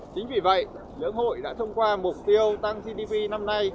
chính vì vậy lưỡng hội đã thông qua mục tiêu tăng gdp năm hai nghìn một mươi chín